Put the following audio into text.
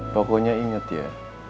pokoknya inget ya